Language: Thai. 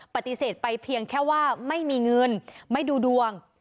ปฏิเสธไปเพียงแค่ว่าไม่มีเงินไม่ดูดวง